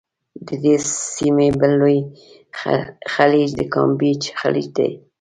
د دې سیمي بل لوی خلیج د کامپېچ خلیج دی.